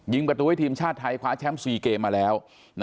ประตูให้ทีมชาติไทยคว้าแชมป์๔เกมมาแล้ว